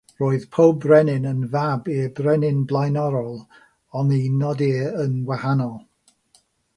Roedd pob brenin yn fab i'r brenin blaenorol, oni nodir yn wahanol.